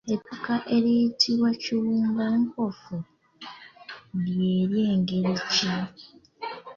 Ettaka eriyitibwa kiwugankofu lye ly'engeri ki?